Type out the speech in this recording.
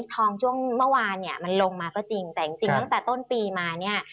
ทองช่วงเมื่อวานเนี่ยมันลงมาก็จริงแต่จริงตั้งแต่ต้นปีมาเนี่ย